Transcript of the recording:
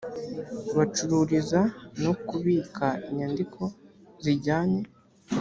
bacururiza no kubika inyandiko zijyanye